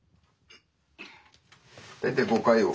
大体５回を？